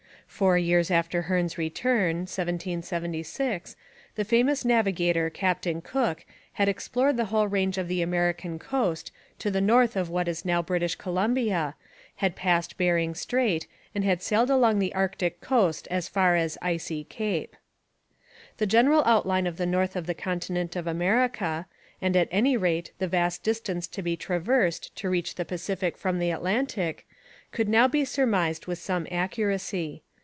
Four years after Hearne's return (1776) the famous navigator Captain Cook had explored the whole range of the American coast to the north of what is now British Columbia, had passed Bering Strait and had sailed along the Arctic coast as far as Icy Cape. [Illustration: Sir Alexander Mackenzie. From the painting by Sir T. Lawrence.] The general outline of the north of the continent of America, and at any rate the vast distance to be traversed to reach the Pacific from the Atlantic, could now be surmised with some accuracy.